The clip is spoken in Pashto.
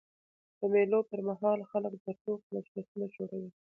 د مېلو پر مهال خلک د ټوکو مجلسونه جوړوي.